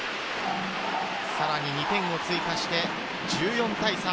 さらに２点を追加して１４対３。